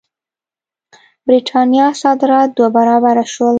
برېټانیا صادرات دوه برابره شول.